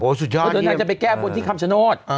โอ้ยสุดยอดเยี่ยมเพราะนางจะไปแก้บวนที่คำชโนธ